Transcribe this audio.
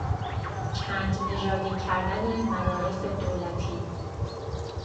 چند نژادی کردن مدارس دولتی